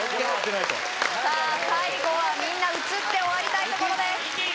さあ最後はみんな映って終わりたいところです